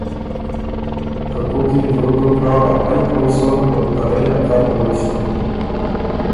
که کوک يې جوړ دوک هۀ، افئ پویٛ سون او ته رئ ا کر پویٛ سون۔